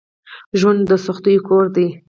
ژوند دسختیو کور دی